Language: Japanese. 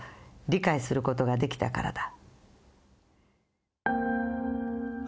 「理解することができたからだ」